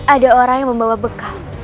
ada orang yang membawa bekal